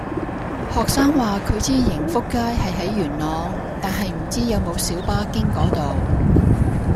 學生話佢知盈福街係喺元朗，但係唔知有冇小巴經嗰度